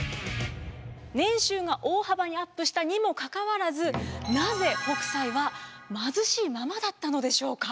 年収が大幅にアップしたにもかかわらずなぜ北斎は貧しいままだったのでしょうか。